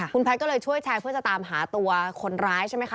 คุณแพทย์ก็เลยช่วยแชร์เพื่อจะตามหาตัวคนร้ายใช่ไหมคะ